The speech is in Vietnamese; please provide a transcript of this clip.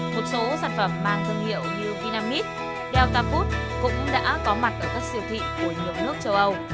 một số sản phẩm mang thương hiệu như vinamitel delta food cũng đã có mặt ở các siêu thị của nhiều nước châu âu